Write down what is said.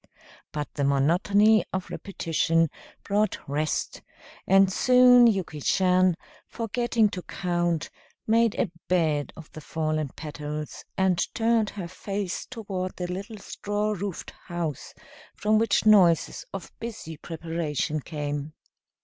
But the monotony of repetition brought rest, and soon Yuki Chan, forgetting to count, made a bed of the fallen petals and turned her face toward the little straw roofed house from which noises of busy preparation came.